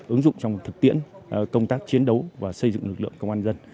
ứng dụng trong thực tiễn công tác chiến đấu và xây dựng lực lượng công an dân